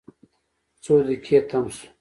څو دقیقې تم شوو.